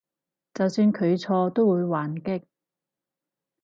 就算佢錯都會還擊？